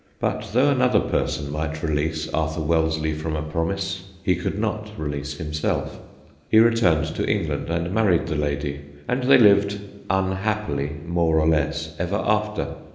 But, though another person might release Arthur Wellesley from a promise, he could not release himself ; he returned to England and married the lady, and they lived unhappily, more or less, ever after.